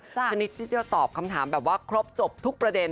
ชนิดที่จะตอบคำถามแบบว่าครบจบทุกประเด็น